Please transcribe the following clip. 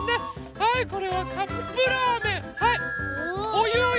はいこれはカップラーメン。